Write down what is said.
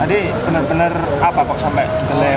tadi benar benar apa pak sampai geleng